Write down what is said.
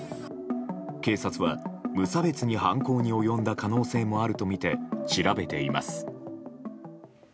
警察は無差別に犯行に及んだ可能性もあるとみて調べています。